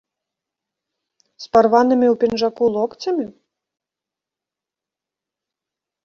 З парванымі ў пінжаку локцямі?